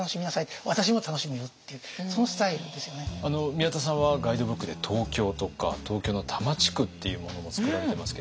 宮田さんはガイドブックで東京とか東京の多摩地区っていうものも作られてますけども。